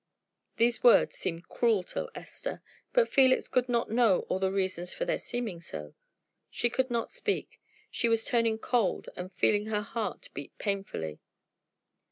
These words seemed cruel to Esther. But Felix could not know all the reasons for their seeming so. She could not speak; she was turning cold and feeling her heart beat painfully.